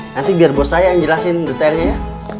nanti biar bos saya yang jelasin detailnya ya